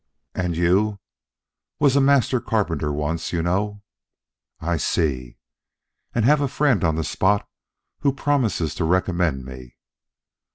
"And you?" "Was a master carpenter once, you know." "I see." "And have a friend on the spot who promises to recommend me."